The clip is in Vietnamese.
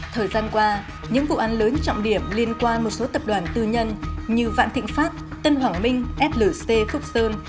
thời gian qua những vụ án lớn trọng điểm liên quan một số tập đoàn tư nhân như vạn thịnh pháp tân hoàng minh flc phúc sơn